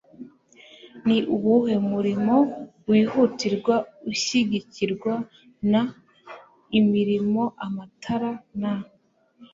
ni uwuhe murimo wihutirwa ushyigikirwa n imirimo amatara n